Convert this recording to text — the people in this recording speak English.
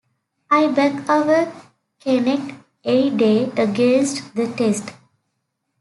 I back our Kennet any day against the Test.